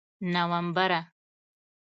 نومبره!